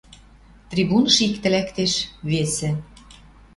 Трибуныш иктӹ лӓктеш, весӹ